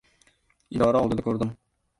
Idora oldida ko‘rdim.